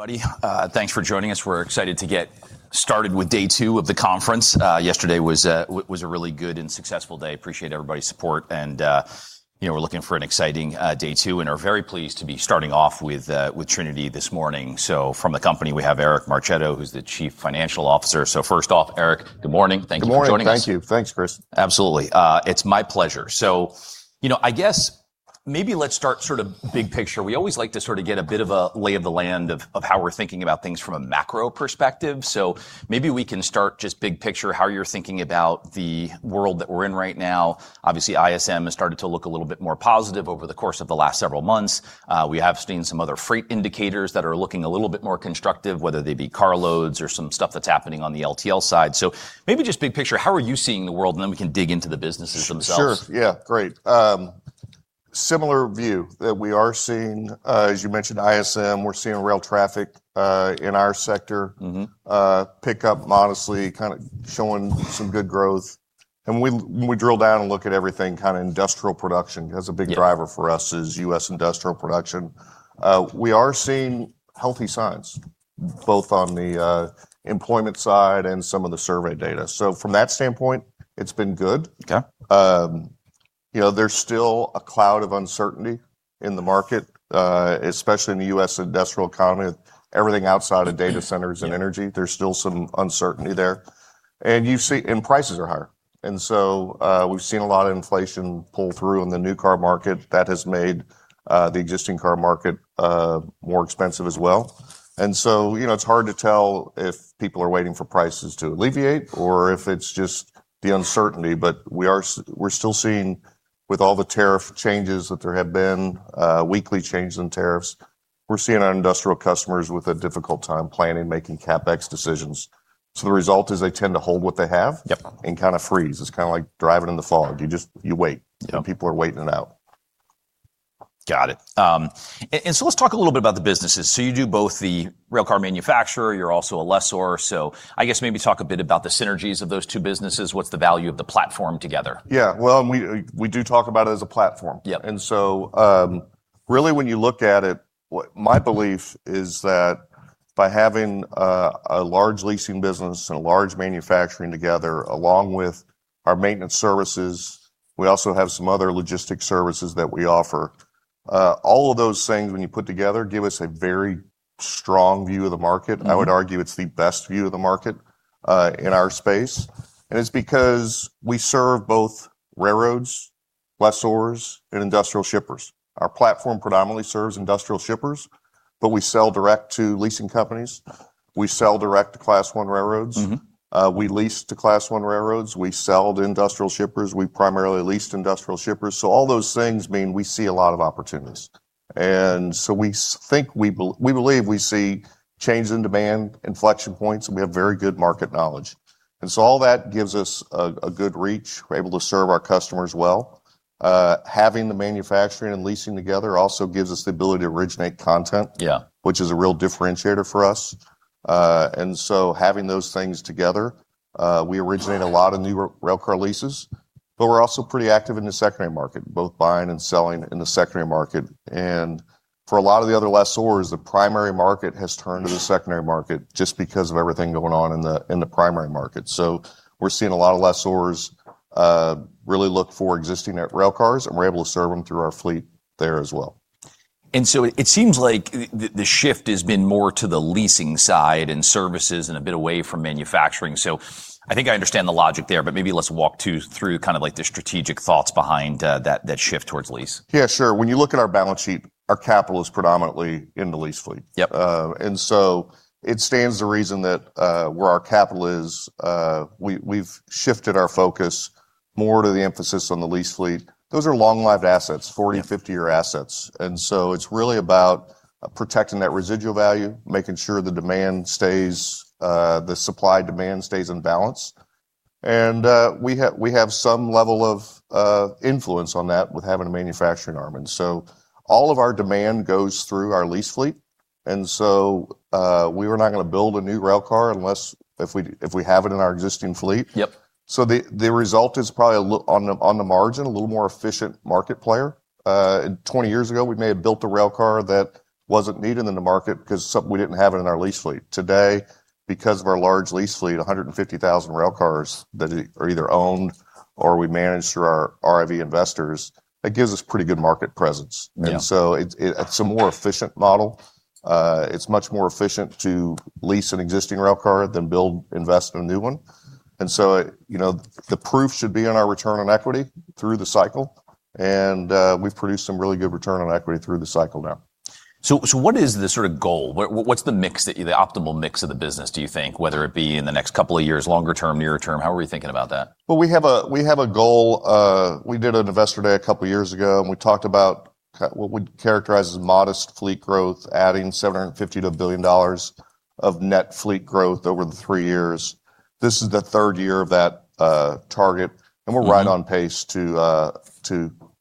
Everybody, thanks for joining us. We're excited to get started with day two of the conference. Yesterday was a really good and successful day. Appreciate everybody's support, and we're looking for an exciting day two and are very pleased to be starting off with Trinity this morning. From the company, we have Eric Marchetto, who's the Chief Financial Officer. First off, Eric, good morning. Thank you for joining us. Good morning. Thank you. Thanks, Chris. Absolutely. It's my pleasure. I guess maybe let's start sort of big picture. We always like to sort of get a bit of a lay of the land of how we're thinking about things from a macro perspective. Maybe we can start just big picture, how you're thinking about the world that we're in right now. Obviously, ISM has started to look a little bit more positive over the course of the last several months. We have seen some other freight indicators that are looking a little bit more constructive, whether they be carloads or some stuff that's happening on the LTL side. Maybe just big picture, how are you seeing the world? Then we can dig into the businesses themselves. Sure. Yeah. Great. Similar view that we are seeing, as you mentioned, ISM. We're seeing rail traffic, in our sector. Pick up modestly, kind of showing some good growth. When we drill down and look at everything kind of industrial production as a big driver for us is U.S. industrial production. We are seeing healthy signs both on the employment side and some of the survey data. From that standpoint, it's been good. Okay. There's still a cloud of uncertainty in the market, especially in the U.S. industrial economy, everything outside of data centers and energy. There's still some uncertainty there. Prices are higher. We've seen a lot of inflation pull through in the new car market. That has made the existing car market more expensive as well. It's hard to tell if people are waiting for prices to alleviate or if it's just the uncertainty. We're still seeing with all the tariff changes that there have been, weekly changes in tariffs. We're seeing our industrial customers with a difficult time planning, making CapEx decisions. The result is they tend to hold what they have. Yep. Kind of freeze. It's kind of like driving in the fog. You just, you wait. Yeah. People are waiting it out. Got it. Let's talk a little bit about the businesses. You do both the railcar manufacturer, you're also a lessor. I guess maybe talk a bit about the synergies of those two businesses. What's the value of the platform together? Yeah. Well, we do talk about it as a platform. Yeah. Really when you look at it, my belief is that by having a large leasing business and a large manufacturing together, along with our maintenance services, we also have some other logistics services that we offer. All of those things when you put together give us a very strong view of the market. I would argue it's the best view of the market in our space. It's because we serve both railroads, lessors, and industrial shippers. Our platform predominantly serves industrial shippers, but we sell direct to leasing companies. We sell direct to Class I railroads. We lease to Class I railroads. We sell to industrial shippers. We primarily lease to industrial shippers. All those things mean we see a lot of opportunities, we believe we see changes in demand, inflection points, and we have very good market knowledge. All that gives us a good reach. We're able to serve our customers well. Having the manufacturing and leasing together also gives us the ability to originate content. Yeah. Which is a real differentiator for us. Having those things together, we originate a lot of new railcar leases, but we're also pretty active in the secondary market, both buying and selling in the secondary market. For a lot of the other lessors, the primary market has turned to the secondary market just because of everything going on in the primary market. We're seeing a lot of lessors really look for existing railcars, and we're able to serve them through our fleet there as well. It seems like the shift has been more to the leasing side and services and a bit away from manufacturing. I think I understand the logic there, but maybe let's walk through kind of like the strategic thoughts behind that shift towards lease. Yeah, sure. When you look at our balance sheet, our capital is predominantly in the lease fleet. Yep. It stands to reason that where our capital is, we've shifted our focus more to the emphasis on the lease fleet. Those are long-lived assets, 40, 50-year assets, it's really about protecting that residual value, making sure the supply-demand stays in balance. We have some level of influence on that with having a manufacturing arm. All of our demand goes through our lease fleet, we were not going to build a new railcar unless if we have it in our existing fleet. Yep. The result is probably on the margin, a little more efficient market player. 20 years ago, we may have built a railcar that wasn't needed in the market because we didn't have it in our lease fleet. Today, because of our large lease fleet, 150,000 railcars that are either owned or we manage through our RIV investors, that gives us pretty good market presence. Yeah. It's a more efficient model. It's much more efficient to lease an existing railcar than build, invest in a new one. The proof should be in our return on equity through the cycle, we've produced some really good return on equity through the cycle now. What is the sort of goal? What's the optimal mix of the business, do you think, whether it be in the next couple of years, longer term, near term? How are we thinking about that? We have a goal. We did an investor day a couple of years ago, and we talked about what we'd characterize as modest fleet growth, adding $750 million-$1 billion of net fleet growth over the three years. This is the third year of that target, and we're right on pace to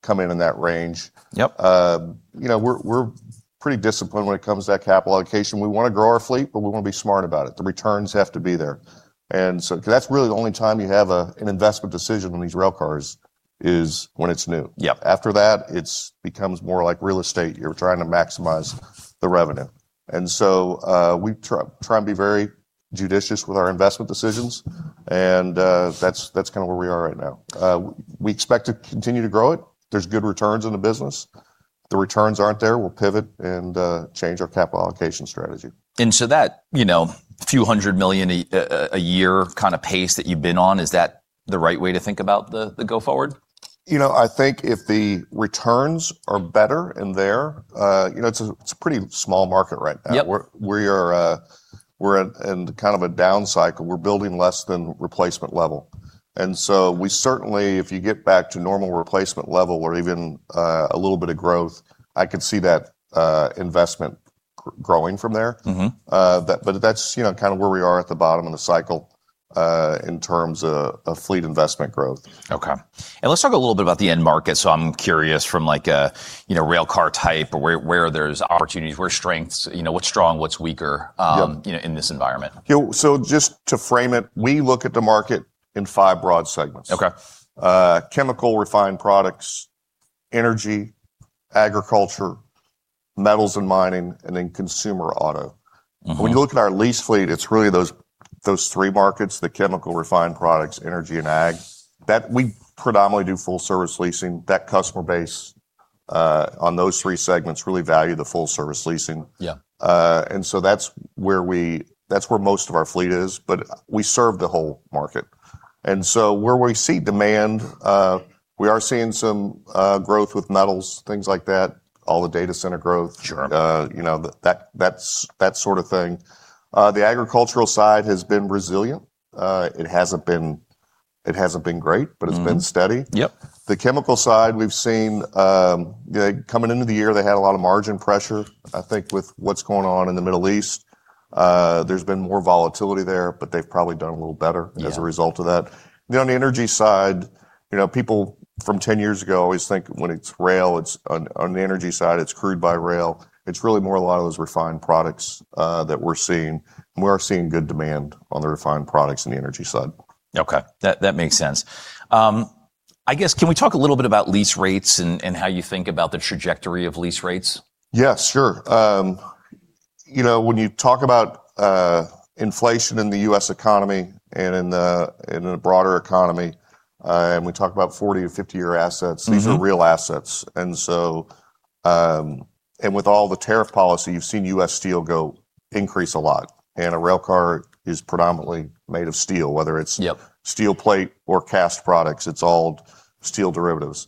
come in in that range. Yep. We're pretty disciplined when it comes to that capital allocation. We want to grow our fleet, but we want to be smart about it. The returns have to be there. Because that's really the only time you have an investment decision on these rail cars is when it's new. Yep. After that, it becomes more like real estate. You're trying to maximize the revenue. We try and be very judicious with our investment decisions, and that's kind of where we are right now. We expect to continue to grow it. There's good returns in the business. The returns aren't there, we'll pivot and change our capital allocation strategy. That few $100 million a year kind of pace that you've been on, is that the right way to think about the go forward? I think if the returns are better in there, it's a pretty small market right now. Yep. We're in kind of a down cycle. We're building less than replacement level. We certainly, if you get back to normal replacement level or even a little bit of growth, I could see that investment growing from there. That's kind of where we are at the bottom of the cycle, in terms of fleet investment growth. Okay. Let's talk a little bit about the end market. I'm curious from a railcar type or where there's opportunities, where's strengths, what's strong, what's weaker- Yep. ...in this environment. Just to frame it, we look at the market in five broad segments. Okay. Chemical refined products, energy, agriculture, metals and mining, and then consumer auto. When you look at our lease fleet, it's really those three markets, the chemical refined products, energy, and ag, that we predominantly do full service leasing. That customer base, on those three segments really value the full service leasing. Yeah. That's where most of our fleet is, but we serve the whole market. Where we see demand, we are seeing some growth with metals, things like that, all the data center growth. Sure. That sort of thing. The agricultural side has been resilient. It hasn't been great, but it's been steady. Yep. The chemical side we've seen, coming into the year, they had a lot of margin pressure, I think, with what's going on in the Middle East. There's been more volatility there, but they've probably done a little better- Yeah. ...as a result of that. On the energy side, people from 10 years ago always think when it's rail, on the energy side, it's crude by rail. It's really more a lot of those refined products that we're seeing. We are seeing good demand on the refined products on the energy side. Okay. That makes sense. I guess, can we talk a little bit about lease rates and how you think about the trajectory of lease rates? Yeah, sure. When you talk about inflation in the U.S. economy and in the broader economy, we talk about 40-50 year assets, these are real assets. With all the tariff policy, you've seen U.S. steel increase a lot. A rail car is predominantly made of steel, whether it's- Yep. ...steel plate or cast products, it's all steel derivatives.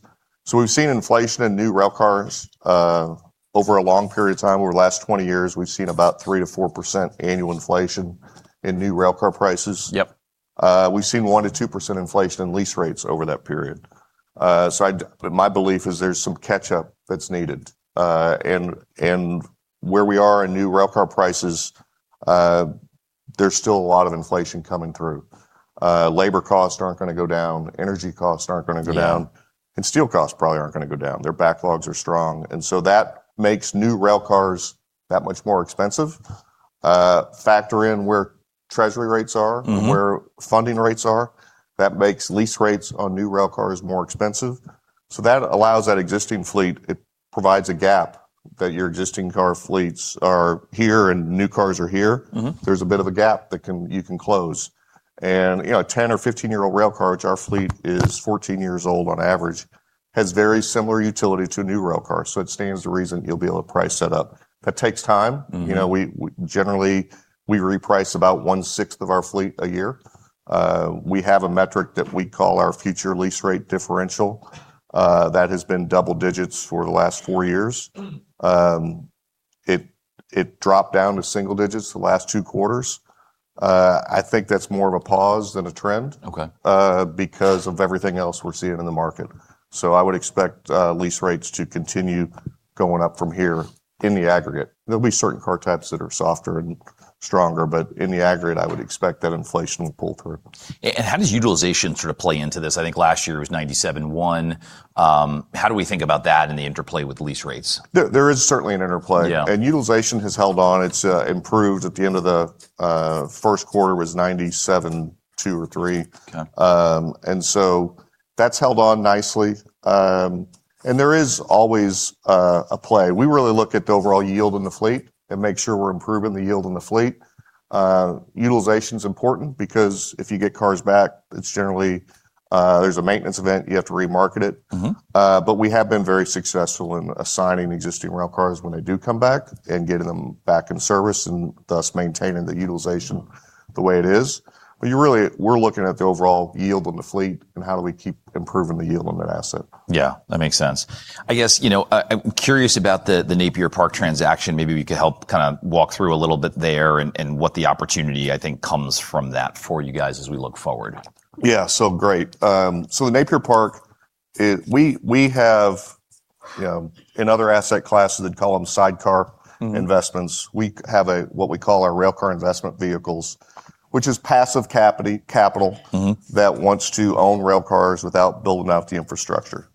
We've seen inflation in new rail cars. Over a long period of time, over the last 20 years, we've seen about 3%-4% annual inflation in new rail car prices. Yep. We've seen 1%-2% inflation in lease rates over that period. My belief is there's some catch-up that's needed. Where we are in new rail car prices, there's still a lot of inflation coming through. Labor costs aren't going to go down, energy costs aren't going to go down- Yeah. ...steel costs probably aren't going to go down. Their backlogs are strong. That makes new rail cars that much more expensive. Factor in where Treasury rates are, where funding rates are, that makes lease rates on new rail cars more expensive. That allows that existing fleet, it provides a gap that your existing car fleets are here and new cars are here. There's a bit of a gap that you can close. 10 or 15-year-old rail cars, our fleet is 14 years old on average, has very similar utility to a new rail car. It stands to reason you'll be able to price that up. That takes time. Generally, we reprice about one sixth of our fleet a year. We have a metric that we call our Future Lease Rate Differential, that has been double digits for the last four years. It dropped down to single digits the last two quarters. I think that's more of a pause than a trend- Okay. ...because of everything else we're seeing in the market. I would expect lease rates to continue going up from here in the aggregate. There'll be certain car types that are softer than stronger, in the aggregate, I would expect that inflation will pull through. How does utilization sort of play into this? I think last year it was 97.1%. How do we think about that and the interplay with lease rates? There is certainly an interplay. Yeah. Utilization has held on. It's improved. At the end of the first quarter, it was 97.23%. Okay. That's held on nicely. There is always a play. We really look at the overall yield in the fleet and make sure we're improving the yield in the fleet. Utilization's important because if you get cars back, it's generally there's a maintenance event, you have to re-market it. We have been very successful in assigning existing railcars when they do come back and getting them back in service and thus maintaining the utilization the way it is. Really, we're looking at the overall yield on the fleet and how do we keep improving the yield on that asset. Yeah, that makes sense. I guess, I'm curious about the Napier Park transaction. Maybe we could help kind of walk through a little bit there and what the opportunity, I think, comes from that for you guys as we look forward. Yeah. Great. The Napier Park, we have in other asset classes, they'd call them sidecar investments. We have what we call our rail car investment vehicles, which is passive capital that wants to own rail cars without building out the infrastructure.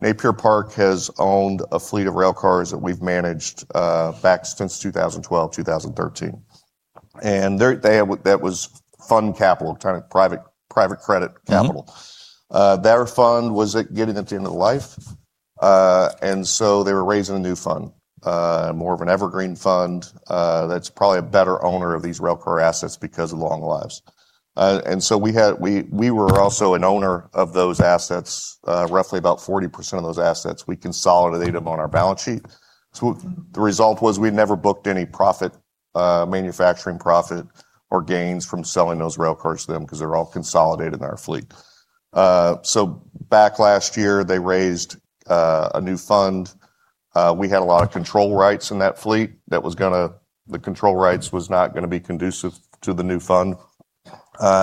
Napier Park has owned a fleet of rail cars that we've managed, back since 2012, 2013. That was fund capital, private credit capital. Their fund was getting at the end of life. They were raising a new fund, more of an evergreen fund that's probably a better owner of these railcar assets because of long lives. We were also an owner of those assets, roughly about 40% of those assets. We consolidated them on our balance sheet. The result was we never booked any profit, manufacturing profit or gains from selling those railcars to them because they were all consolidated in our fleet. Back last year, they raised a new fund. We had a lot of control rights in that fleet. The control rights was not going to be conducive to the new fund,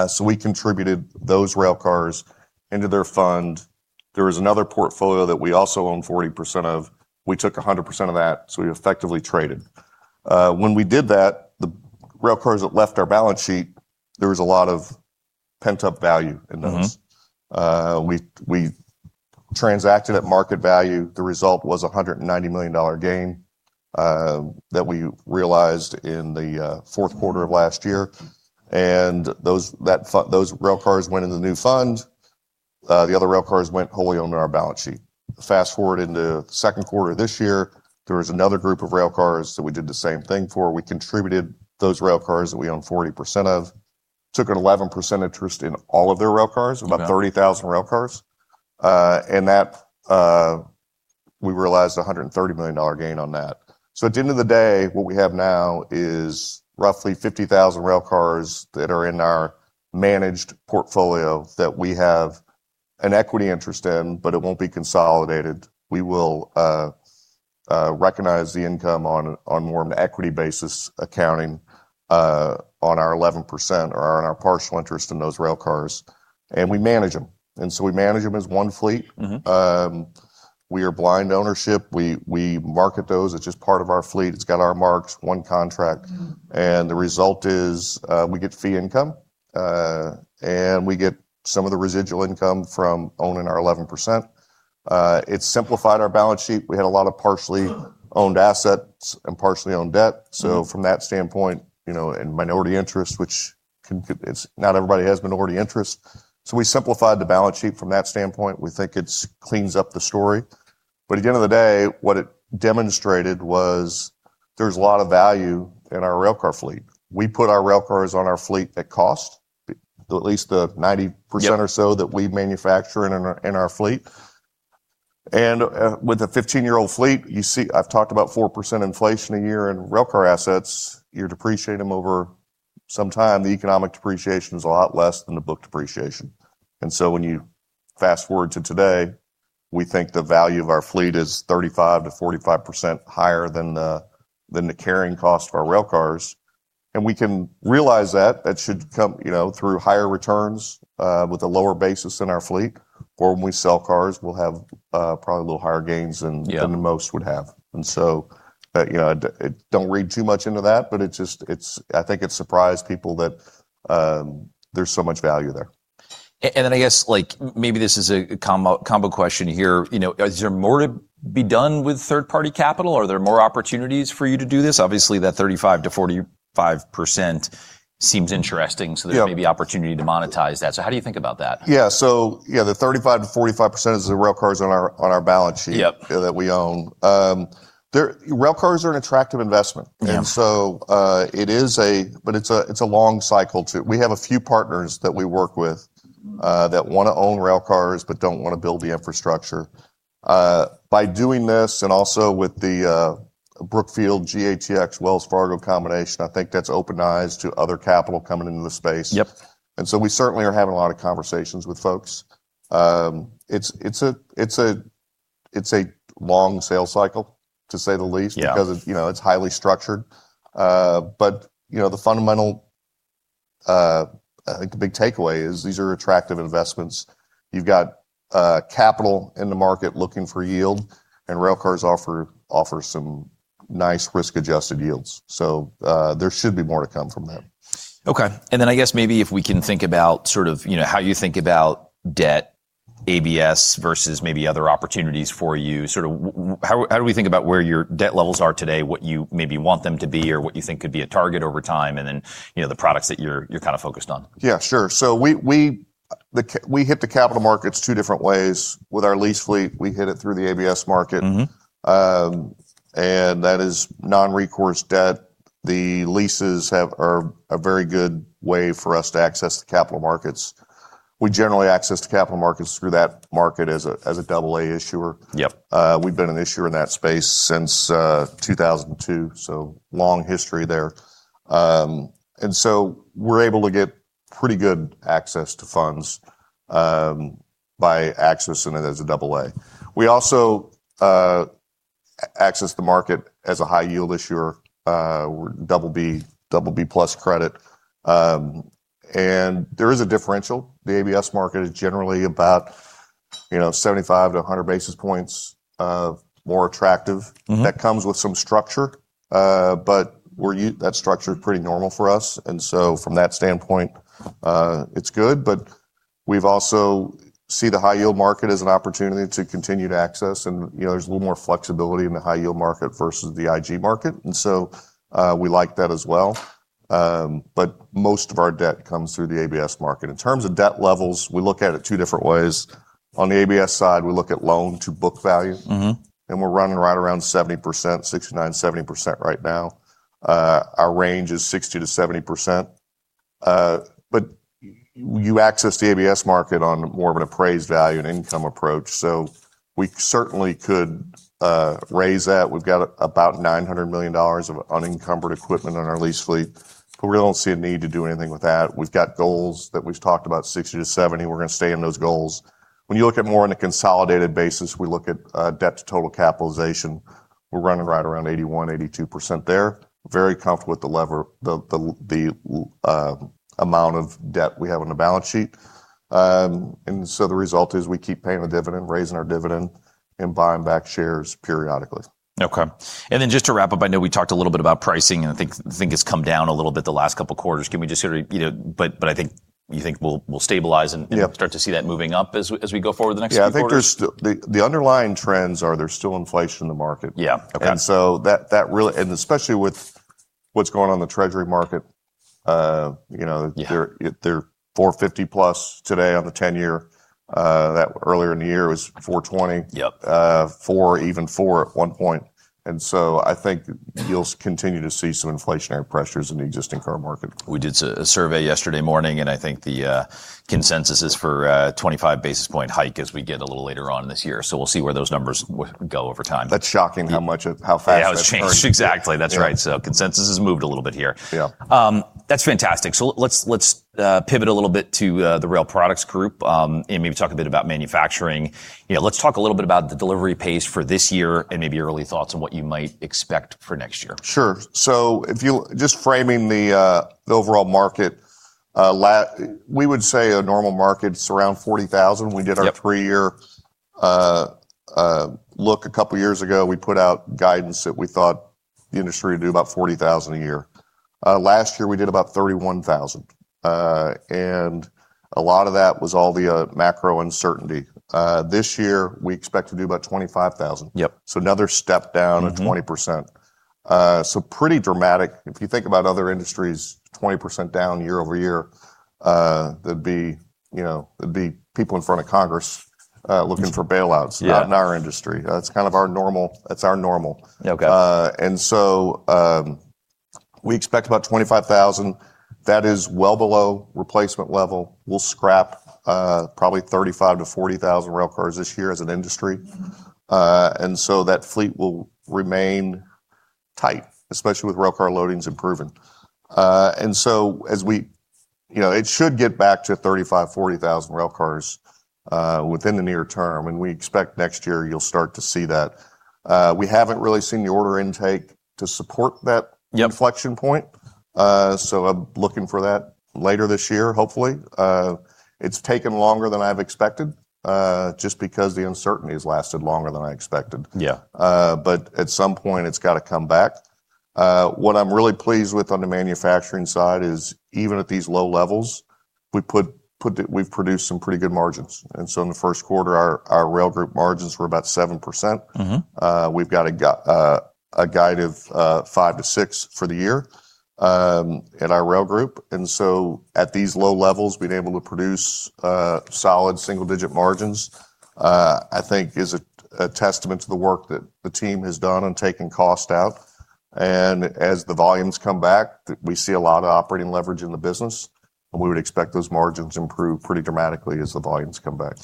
so we contributed those railcars into their fund. There was another portfolio that we also owned 40% of. We took 100% of that, so we effectively traded. When we did that, the railcars that left our balance sheet, there was a lot of pent-up value in those. We transacted at market value. The result was $190 million gain that we realized in the fourth quarter of last year. Those railcars went into the new fund. The other railcars went wholly owned on our balance sheet. Fast-forward into the second quarter of this year, there was another group of railcars that we did the same thing for. We contributed those railcars that we owned 40% of, took an 11% interest in all of their railcars. Yeah. About 30,000 railcars. We realized a $130 million gain on that. At the end of the day, what we have now is roughly 50,000 railcars that are in our managed portfolio that we have an equity interest in, but it won't be consolidated. We will recognize the income on more of an equity basis accounting on our 11% or on our partial interest in those railcars, and we manage them. We manage them as one fleet. We are blind ownership. We market those. It's just part of our fleet. It's got our marks, one contract. The result is we get fee income, and we get some of the residual income from owning our 11%. It simplified our balance sheet. We had a lot of partially owned assets and partially owned debt. From that standpoint, and minority interest which not everybody has minority interest. We simplified the balance sheet from that standpoint. We think it cleans up the story. At the end of the day, what it demonstrated was there's a lot of value in our railcar fleet. We put our railcars on our fleet at cost, at least the 90%. Yep. That we manufacture in our fleet. With a 15-year-old fleet, you see I've talked about 4% inflation a year in railcar assets. You depreciate them over some time. The economic depreciation is a lot less than the book depreciation. When you fast-forward to today, we think the value of our fleet is 35%-45% higher than the carrying cost of our railcars, and we can realize that. That should come through higher returns with a lower basis in our fleet, or when we sell cars, we'll have probably a little higher gains than- Yeah. ...most would have. Don't read too much into that, but I think it surprised people that there's so much value there. I guess maybe this is a combo question here. Is there more to be done with third-party capital? Are there more opportunities for you to do this? Obviously, that 35%-45% seems interesting. Yeah. There may be opportunity to monetize that. How do you think about that? Yeah. The 35%-45% is the railcars on our balance sheet- Yep. ...that we own. Railcars are an attractive investment. Yeah. It's a long cycle too. We have a few partners that we work with that want to own railcars but don't want to build the infrastructure. By doing this and also with the Brookfield, GATX, Wells Fargo combination, I think that's opened eyes to other capital coming into the space. Yep. We certainly are having a lot of conversations with folks. It's a long sales cycle to say the least. Yeah. It's highly structured. The fundamental, I think, the big takeaway is these are attractive investments. You've got capital in the market looking for yield, and railcars offer some nice risk-adjusted yields. There should be more to come from them. Okay. I guess maybe if we can think about sort of how you think about debt ABS versus maybe other opportunities for you. How do we think about where your debt levels are today, what you maybe want them to be or what you think could be a target over time, and then the products that you're kind of focused on? Yeah, sure. We hit the capital markets two different ways. With our lease fleet, we hit it through the ABS market. That is non-recourse debt. The leases are a very good way for us to access the capital markets. We generally access the capital markets through that market as a AA issuer. Yep. We've been an issuer in that space since 2002, long history there. We're able to get pretty good access to funds by accessing it as a AA. We also access the market as a high yield issuer, BB+ credit. There is a differential. The ABS market is generally about 75 basis points-100 basis points of more attractive. That comes with some structure, but that structure is pretty normal for us. From that standpoint, it's good, but we also see the high-yield market as an opportunity to continue to access. There's a little more flexibility in the high-yield market versus the IG market, so we like that as well. Most of our debt comes through the ABS market. In terms of debt levels, we look at it two different ways. On the ABS side, we look at loan to book value. We're running right around 70%, 69%, 70% right now. Our range is 60%-70%. You access the ABS market on more of an appraised value and income approach, so we certainly could raise that. We've got about $900 million of unencumbered equipment on our lease fleet, but we really don't see a need to do anything with that. We've got goals that we've talked about, 60%-70%. We're going to stay in those goals. When you look at more on a consolidated basis, we look at debt to total capitalization. We're running right around 81%, 82% there. Very comfortable with the amount of debt we have on the balance sheet. The result is we keep paying the dividend, raising our dividend, and buying back shares periodically. Okay. Just to wrap up, I know we talked a little bit about pricing, and I think it's come down a little bit the last couple of quarters. You think we'll stabilize. Yep. Do you think we'll start to see that moving up as we go forward the next few quarters? I think the underlying trends are there's still inflation in the market. Okay. Especially with what's going on in the Treasury market. They're 450+ today on the 10-year. Earlier in the year, it was 420. Yep. Four, even four at one point. I think you'll continue to see some inflationary pressures in the existing car market. We did a survey yesterday morning, and I think the consensus is for a 25 basis point hike as we get a little later on in this year, so we'll see where those numbers go over time. That's shocking how fast that's turned. Yeah, how it's changed. Exactly. That's right. Yeah. Consensus has moved a little bit here. Yeah. That's fantastic. Let's pivot a little bit to the Rail Products Group, and maybe talk a bit about manufacturing. Let's talk a little bit about the delivery pace for this year and maybe your early thoughts on what you might expect for next year. Sure. Just framing the overall market, we would say a normal market's around 40,000. We did our three-year look a couple of years ago. We put out guidance that we thought the industry would do about 40,000 a year. Last year, we did about 31,000. A lot of that was all the macro uncertainty. This year, we expect to do about 25,000. Yep. Another step down of 20%. Pretty dramatic. If you think about other industries, 20% down year-over-year, there'd be people in front of Congress looking for bailouts. Yeah. Not in our industry. That's our normal. Okay. We expect about 25,000. That is well below replacement level. We'll scrap probably 35,000-40,000 railcars this year as an industry. That fleet will remain tight, especially with railcar loadings improving. It should get back to 35,000-40,000 railcars within the near term, and we expect next year you'll start to see that. We haven't really seen the order intake to support that- Yep. ...inflection point. I'm looking for that later this year, hopefully. It's taken longer than I've expected, just because the uncertainty has lasted longer than I expected. Yeah. At some point, it's got to come back. What I'm really pleased with on the manufacturing side is even at these low levels, we've produced some pretty good margins. In the first quarter, our Rail Group margins were about 7%. We've got a guide of five to six for the year in our Rail Group. At these low levels, being able to produce solid single-digit margins, I think is a testament to the work that the team has done on taking cost out. As the volumes come back, we see a lot of operating leverage in the business, and we would expect those margins to improve pretty dramatically as the volumes come back.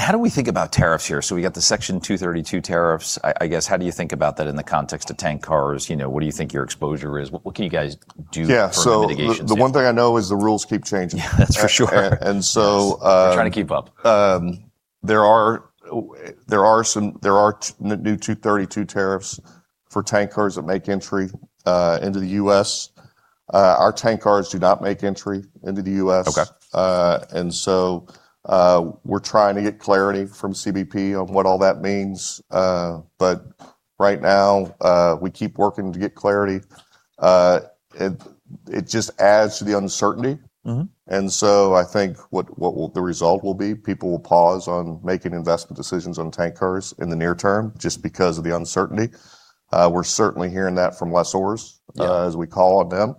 How do we think about tariffs here? We got the Section 232 tariffs. I guess, how do you think about that in the context of tank cars? What do you think your exposure is? What can you guys do for mitigation? Yeah. The one thing I know is the rules keep changing. Yeah. That's for sure. And so- We're trying to keep up There are new 232 tariffs for tank cars that make entry into the U.S. Our tank cars do not make entry into the U.S. Okay. We're trying to get clarity from CBP on what all that means. Right now, we keep working to get clarity. It just adds to the uncertainty. I think what the result will be, people will pause on making investment decisions on tank cars in the near term, just because of the uncertainty. We're certainly hearing that from lessors- Yeah. ...as we call on them.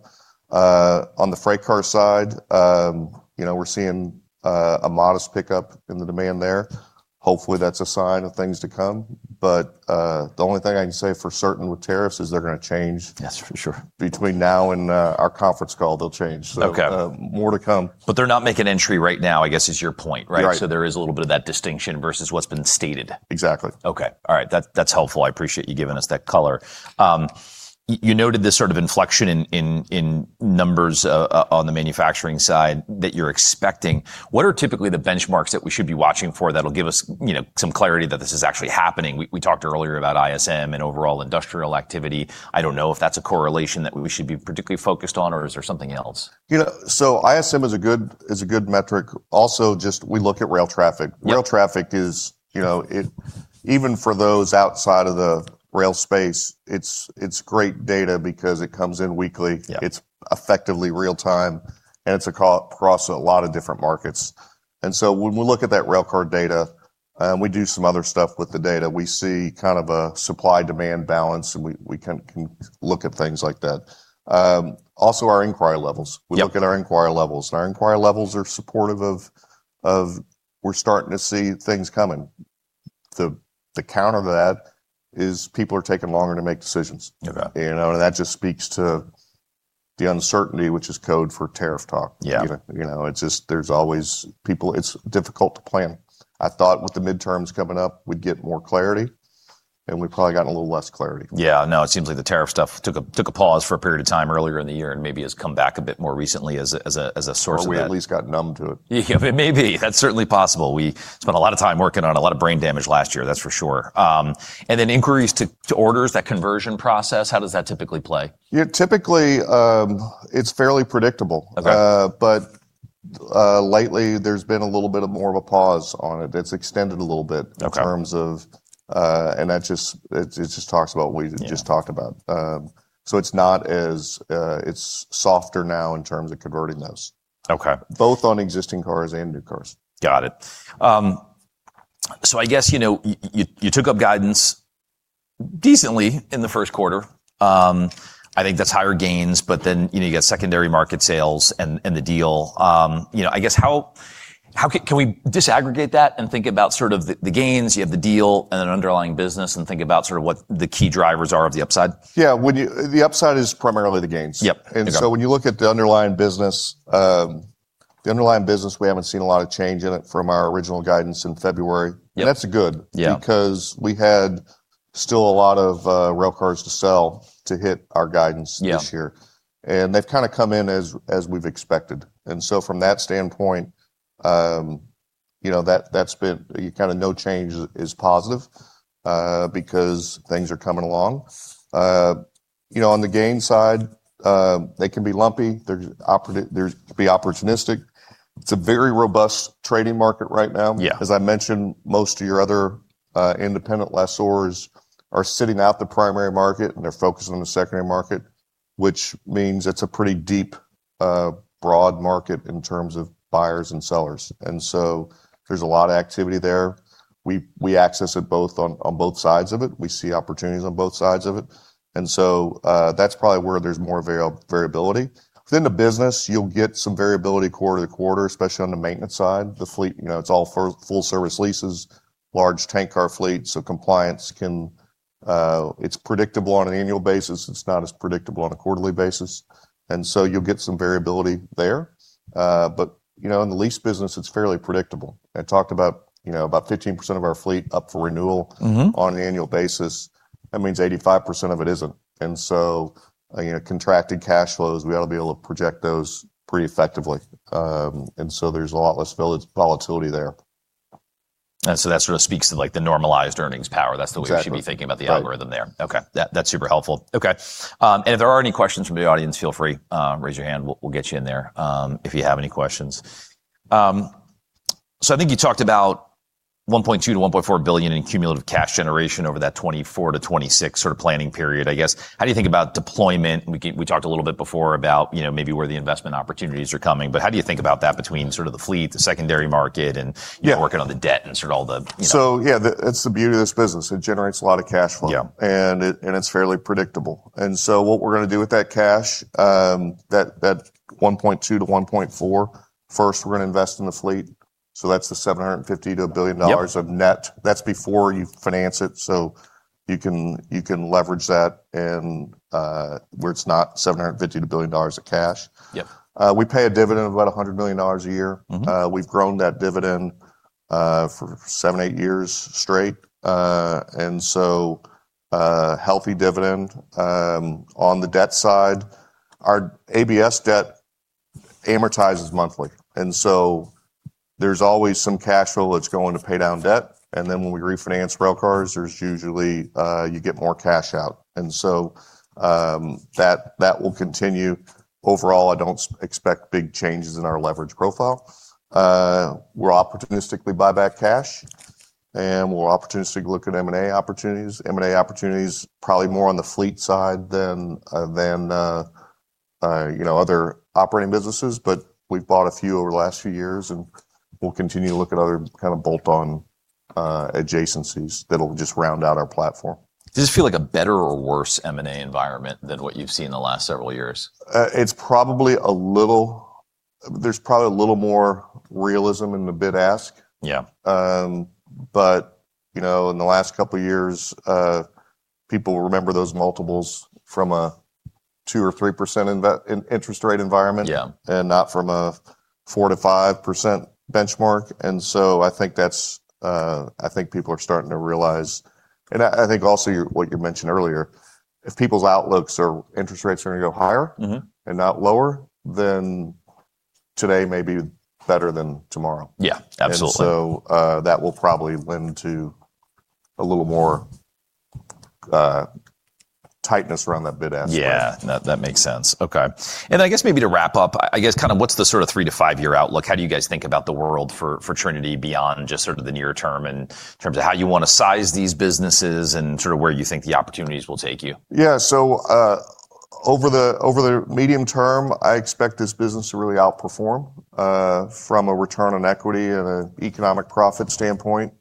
On the freight car side, we're seeing a modest pickup in the demand there. Hopefully, that's a sign of things to come. The only thing I can say for certain with tariffs is they're going to change. That's for sure. Between now and our conference call, they'll change. Okay. More to come. They're not making entry right now, I guess is your point, right? Right. There is a little bit of that distinction versus what's been stated. Exactly. Okay. All right. That's helpful. I appreciate you giving us that color. You noted this sort of inflection in numbers on the manufacturing side that you're expecting. What are typically the benchmarks that we should be watching for that'll give us some clarity that this is actually happening? We talked earlier about ISM and overall industrial activity. I don't know if that's a correlation that we should be particularly focused on, or is there something else? ISM is a good metric. Also, just we look at rail traffic. Yep. Rail traffic is, even for those outside of the rail space, it's great data because it comes in weekly. Yeah. It's effectively real time, and it's across a lot of different markets. When we look at that rail car data, and we do some other stuff with the data. We see kind of a supply-demand balance, and we can look at things like that. Also, our inquiry levels. Yep. We look at our inquiry levels, and our inquiry levels are supportive of, we're starting to see things coming. The counter to that is people are taking longer to make decisions. Okay. That just speaks to the uncertainty, which is code for tariff talk. Yeah. It's difficult to plan. I thought with the midterms coming up, we'd get more clarity, we've probably gotten a little less clarity. Yeah, no, it seems like the tariff stuff took a pause for a period of time earlier in the year maybe has come back a bit more recently as a source of that. We at least got numb to it. Yeah. Maybe. That's certainly possible. We spent a lot of time working on a lot of brain damage last year, that's for sure. Inquiries to orders, that conversion process, how does that typically play? Yeah, typically, it's fairly predictable. Okay. Lately, there's been a little bit of more of a pause on it that's extended a little bit- Okay. ...in terms of, it just talks about what you just talked about. It's softer now in terms of converting those. Okay. Both on existing cars and new cars. Got it. I guess, you took up guidance decently in the first quarter. I think that's higher gains, but then you got secondary market sales and the deal. Can we disaggregate that and think about sort of the gains, you have the deal and then underlying business and think about sort of what the key drivers are of the upside? Yeah. The upside is primarily the gains. Yep. Okay. When you look at the underlying business, we haven't seen a lot of change in it from our original guidance in February. Yep. That's good- Yeah. ...because we had still a lot of railcars to sell to hit our guidance this year. Yeah. They've kind of come in as we've expected. From that standpoint, that's been kind of no change is positive, because things are coming along. On the gain side, they can be lumpy. They can be opportunistic. It's a very robust trading market right now. Yeah. As I mentioned, most of your other independent lessors are sitting out the primary market, and they're focused on the secondary market, which means it's a pretty deep, broad market in terms of buyers and sellers. There's a lot of activity there. We access it both on both sides of it. We see opportunities on both sides of it. That's probably where there's more variability. Within the business, you'll get some variability quarter-to-quarter, especially on the maintenance side. The fleet, it's all full-service leases, large tank car fleet, so compliance, it's predictable on an annual basis. It's not as predictable on a quarterly basis. You'll get some variability there. In the lease business, it's fairly predictable. I talked about 15% of our fleet up for renewal on an annual basis. That means 85% of it isn't. Contracted cash flows, we ought to be able to project those pretty effectively. There's a lot less volatility there. That sort of speaks to the normalized earnings power. That's the way we should be thinking about the algorithm there. Right. Okay. That's super helpful. Okay. If there are any questions from the audience, feel free, raise your hand. We'll get you in there if you have any questions. I think you talked about $1.2 billion-$1.4 billion in cumulative cash generation over that 2024-2026 sort of planning period, I guess. How do you think about deployment? We talked a little bit before about maybe where the investment opportunities are coming, but how do you think about that between sort of the fleet, the secondary market, and- Yeah. ...working on the debt and sort of all the Yeah, that's the beauty of this business. It generates a lot of cash flow. Yeah. It's fairly predictable. What we're going to do with that cash, that $1.2 billion-$1.4 billion, first we're going to invest in the fleet. That's the $750 million-$1 billion of net. Yep. That's before you finance it, so you can leverage that in where it's not $750 million-$1 billion of cash. Yep. We pay a dividend of about $100 million a year. We've grown that dividend for seven, eight years straight. Healthy dividend. On the debt side, our ABS debt amortizes monthly. There's always some cash flow that's going to pay down debt. When we refinance railcars, there's usually you get more cash out. That will continue. Overall, I don't expect big changes in our leverage profile. We'll opportunistically buy back cash, and we'll opportunistically look at M&A opportunities. M&A opportunities probably more on the fleet side than other operating businesses. We've bought a few over the last few years, and we'll continue to look at other kind of bolt-on adjacencies that'll just round out our platform. Does this feel like a better or worse M&A environment than what you've seen in the last several years? There's probably a little more realism in the bid ask. Yeah. In the last couple of years, people remember those multiples from a 2% or 3% interest rate environment- Yeah. ...not from a 4%-5% benchmark. I think people are starting to realize, and I think also what you mentioned earlier, if people's outlooks are interest rates are going to go higher not lower, today may be better than tomorrow. Yeah. Absolutely. That will probably lend to a little more tightness around that bid-ask spread. Yeah. No, that makes sense. Okay. I guess maybe to wrap up, what's the sort of three to five year outlook? How do you guys think about the world for Trinity beyond just sort of the near term in terms of how you want to size these businesses and sort of where you think the opportunities will take you? Yeah. Over the medium term, I expect this business to really outperform, from a return on equity and an economic profit standpoint.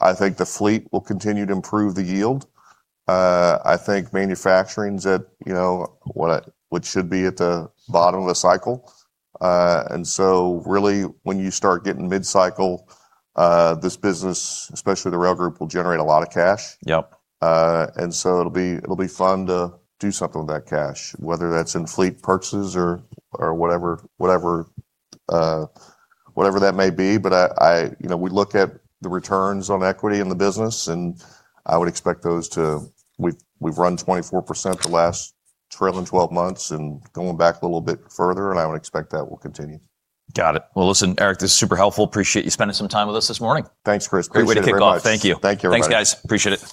I think the fleet will continue to improve the yield. I think manufacturing's at what should be at the bottom of the cycle. So really when you start getting mid-cycle, this business, especially the Rail Products Group, will generate a lot of cash. Yep. So it'll be fun to do something with that cash, whether that's in fleet purchases or whatever that may be. We look at the returns on equity in the business, and I would expect those to We've run 24% the last trailing 12 months and going back a little bit further, and I would expect that will continue. Got it. Listen, Eric, this was super helpful. Appreciate you spending some time with us this morning. Thanks, Chris. Appreciate it very much. Great way to kick off. Thank you. Thank you, everybody. Thanks, guys. Appreciate it.